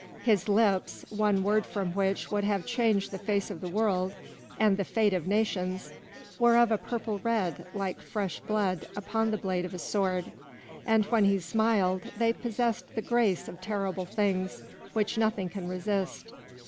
His lips, one word from which would have changed the face of the world and the fate of nations, were of a purple red, like fresh blood upon the blade of a sword, and when he smiled, they possessed that grace of terrible things which nothing can resist.